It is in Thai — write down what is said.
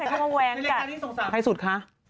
สงสารชิคกี้พายใครสุดคะ